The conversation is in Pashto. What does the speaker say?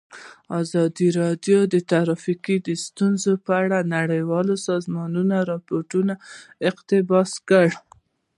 ازادي راډیو د ټرافیکي ستونزې په اړه د نړیوالو سازمانونو راپورونه اقتباس کړي.